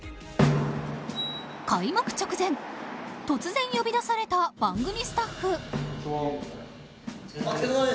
開幕直前、突然呼び出された番組スタッフ。